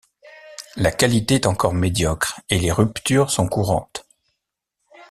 La qualité est encore médiocre et les ruptures sont courantes.